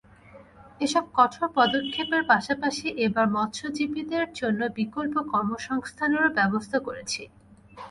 এসব কঠোর পদক্ষেপের পাশাপাশি এবার মৎস্যজীবীদের জন্য বিকল্প কর্মসংস্থানেরও ব্যবস্থা করেছি।